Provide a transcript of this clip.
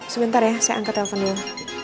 sebentar ya saya angkat telepon dulu